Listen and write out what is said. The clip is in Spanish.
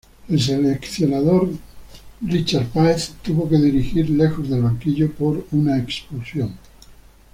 El seleccionador Richard Páez tuvo que dirigir lejos del banquillo por una expulsión.